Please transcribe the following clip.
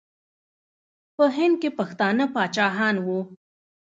په هند کې پښتانه پاچاهان وو.